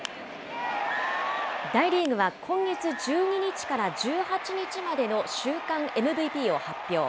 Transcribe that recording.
大リーグは今月１２日から１８日までの週間ＭＶＰを発表。